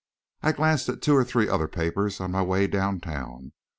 I glanced at two or three other papers on my way down town.